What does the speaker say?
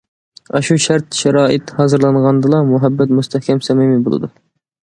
ئاشۇ شەرت- شارائىت ھازىرلانغاندىلا مۇھەببەت مۇستەھكەم سەمىمىي بولىدۇ.